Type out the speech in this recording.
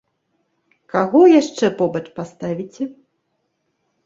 Каго яшчэ побач паставіце?